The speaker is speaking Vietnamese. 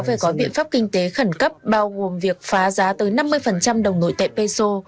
về gói biện pháp kinh tế khẩn cấp bao gồm việc phá giá tới năm mươi đồng nội tệ peso